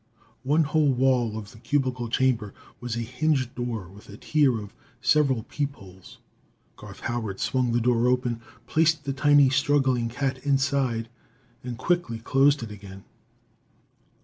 One whole wall of the cubical chamber was a hinged door, with a tier of several peep holes. Garth Howard swung the door open, placed the tiny, struggling cat inside and quickly closed it again.